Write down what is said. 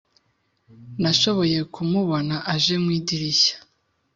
nashoboye kumubona aje mu idirishya.